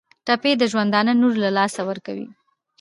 ټپي د ژوندانه نور له لاسه ورکوي.